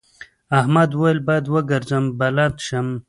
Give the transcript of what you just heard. احمد وويل: باید وګرځم بلد شم.